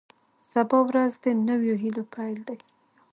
سبا ورځ د نویو هیلو پیل دی.